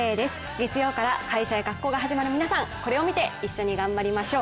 月曜から会社や学校が始まる皆さん、これを見て一緒に頑張りましょう。